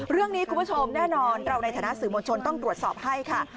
คุณผู้ชมแน่นอนเราในฐานะสื่อมวลชนต้องตรวจสอบให้ค่ะ